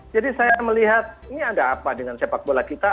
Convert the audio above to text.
jadi saya melihat ini ada apa dengan sepak bola kita